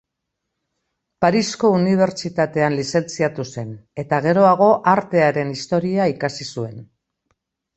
Parisko Unibertsitatean lizentziatu zen eta geroago Artearen Historia ikasi zuen.